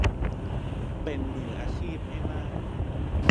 เป็นมืออาชีพให้มาก